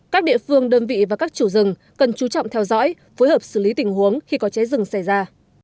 các địa phương đơn vị và các chủ rừng cần chú trọng theo dõi phối hợp xử lý tình huống khi có cháy rừng xảy ra